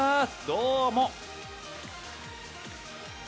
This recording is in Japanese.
どうも。